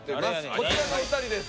こちらのお２人です。